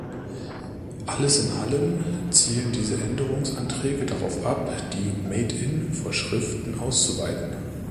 Alles in Allem zielen diese Änderungsanträge darauf ab, die "Made in"Vorschriften auszuweiten.